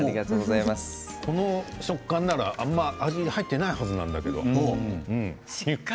この食感なら味が入ってないはずなんだけどな。